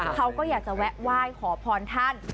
เขาก็อยากจะแวะไหว้ขอพรท่าน